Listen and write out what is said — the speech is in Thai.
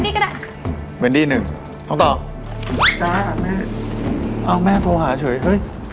เวนดี้ก็ได้เวนดี้หนึ่งต้องตอบจ้ะแม่อ้าวแม่โทรหาเฉยเฮ้ย